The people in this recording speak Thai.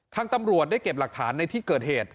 ทางตำรวจได้เก็บหลักฐานในที่เกิดเหตุ